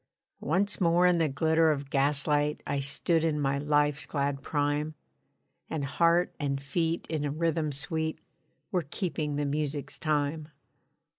Once more in the glitter of gaslight I stood in my life's glad prime: And heart and feet in a rhythm sweet Were keeping the music's time.